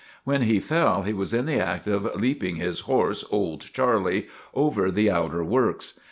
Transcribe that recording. When he fell he was in the act of leaping his horse, "Old Charlie," over the outer works.